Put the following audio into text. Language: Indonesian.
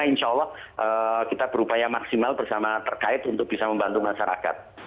insya allah kita berupaya maksimal bersama terkait untuk bisa membantu masyarakat